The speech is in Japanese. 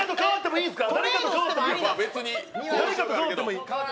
いいですか？